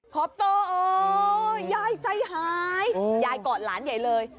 คอปเตอร์โอ้ยยายใจหายยายเกาะหลานใหญ่เลย